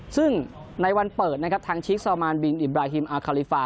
ซึ่งในวันเปิดนะครับทางชิคซาวมานบินอิบราฮิมอาคาลิฟา